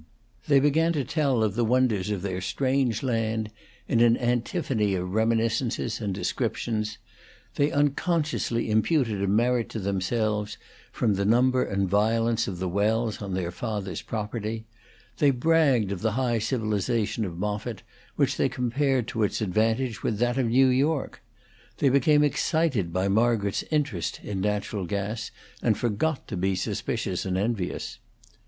They began to tell of the wonders of their strange land in an antiphony of reminiscences and descriptions; they unconsciously imputed a merit to themselves from the number and violence of the wells on their father's property; they bragged of the high civilization of Moffitt, which they compared to its advantage with that of New York. They became excited by Margaret's interest in natural gas, and forgot to be suspicious and envious.